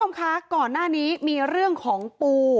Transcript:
คุณผู้ชมคะก่อนหน้านี้มีเรื่องของปู